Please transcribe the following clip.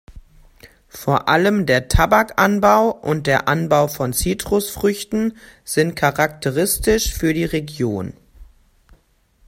Vor allem der Tabakanbau und der Anbau von Zitrusfrüchten sind charakteristisch für die Region.